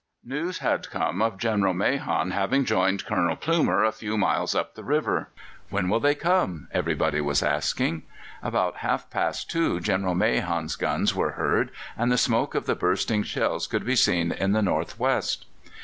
News had come of General Mahon having joined Colonel Plumer a few miles up the river. "When will they come?" everybody was asking. About half past two General Mahon's guns were heard, and the smoke of the bursting shells could be seen in the north west.